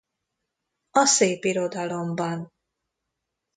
A szépirodalomban